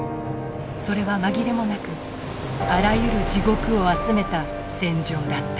それは紛れもなくあらゆる地獄を集めた戦場だった。